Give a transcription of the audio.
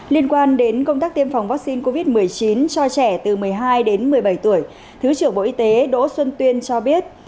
liên quan đến công tác tiêm phòng vaccine covid một mươi chín cho trẻ từ một mươi hai đến một mươi bảy tuổi thứ trưởng bộ y tế đỗ xuân tuyên cho biết